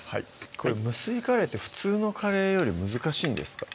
これ無水カレーって普通のカレーより難しいんですか？